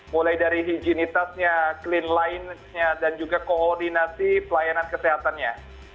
mulai dari higienitasnya cleanlinessnya dan juga koordinasi pelayanan kesehatannya